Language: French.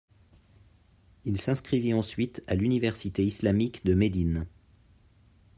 Il s'inscrivit ensuite à l'Université islamique de Médine.